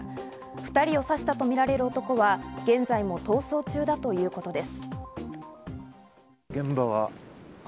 ２人を刺したとみられる男は、現在も逃走中だということです。